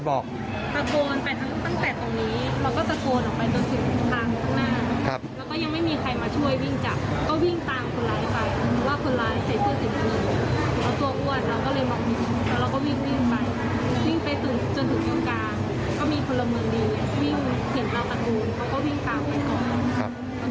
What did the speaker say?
เขาก็วิ่งกลางไปก่อนแล้วก็ไปรอบทองคนโดนละ